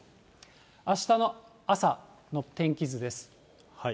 あしたの朝の天気図です。